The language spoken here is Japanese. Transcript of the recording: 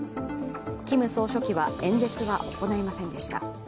キム総書記は演説は行いませんでした。